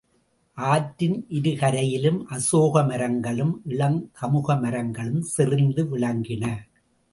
ஆற்றின் இரு கரையிலும் அசோக மரங்களும் இளங் கமுக மரங்களும் செறிந்து விளங்கின.